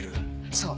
そう。